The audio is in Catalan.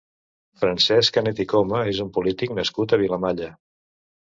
Francesc Canet i Coma és un polític nascut a Vilamalla.